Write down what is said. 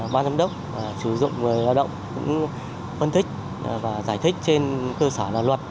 ban giám đốc sử dụng người lao động cũng phân tích và giải thích trên cơ sở là luật